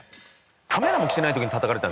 カメラも来てない時にたたかれたんですよ